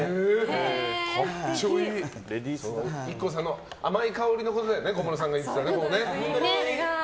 ＩＫＫＯさんの甘い香りのことを小室さんが言ってたね。